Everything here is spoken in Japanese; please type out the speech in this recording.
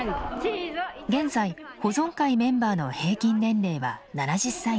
現在保存会メンバーの平均年齢は７０歳代。